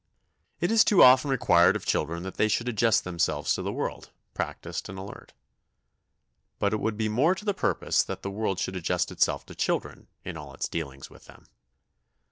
It is too often required of children that they should adjust themselves to the world, practised and alert. But it would be more to the purpose that the world should adjust itself to children in all its dealings with them.